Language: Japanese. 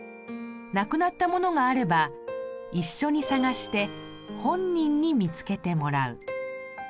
無くなった物があれば一緒に捜して本人に見つけてもらう。